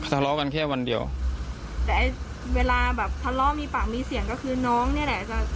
ทะเลาะกันแค่วันเดียวแต่ไอ้เวลาแบบทะเลาะมีปากมีเสียงก็คือน้องเนี่ยแหละจะ